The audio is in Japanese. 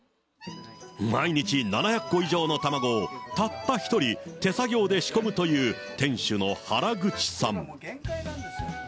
毎日７００個以上の卵をたった１人、手作業で仕込むという店主の原口さん。